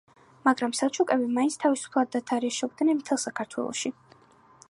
მაგრამ სელჩუკები მაინც თავისუფლად დათარეშობდნენ მთელ საქართველოში.